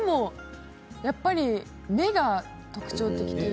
やっぱり目が特徴的というか。